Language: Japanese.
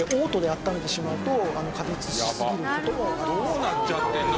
どうなっちゃってんの？